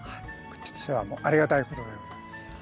こっちとしてはもうありがたいことでございます。